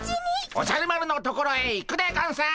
おじゃる丸のところへ行くでゴンス！